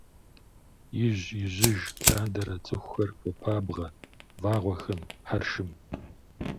Ижь-ижьыж лъандэрэ цӏыхухэр хуопабгъэ вагъуэхэм, хьэршым.